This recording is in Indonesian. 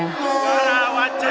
terus gimana harapannya ke depan